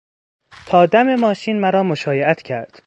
تا دم ماشین مرا مشایعت کرد.